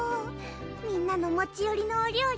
みんなの持ちよりのお料理